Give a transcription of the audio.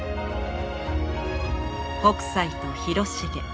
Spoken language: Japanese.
北斎と広重。